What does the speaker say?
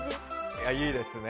いやいいですね。